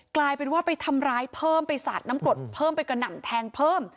กลายเป็นว่าไปทำร้ายเพิ่มไปสาดน้ำกรดเพิ่มไปกระหน่ำแทงเพิ่ม